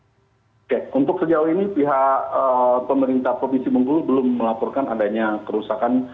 oke untuk sejauh ini pihak pemerintah provinsi bengkulu belum melaporkan adanya kerusakan